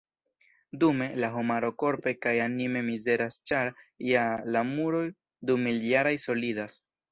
Dume, la homaro korpe kaj anime mizeras ĉar, ja, la muroj dumiljaraj solidas.